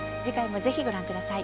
ぜひ、ご覧ください。